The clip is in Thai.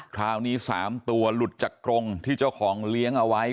คราวนี้๓ตัวหลุดจากกรงที่เจ้าของเลี้ยงเอาไว้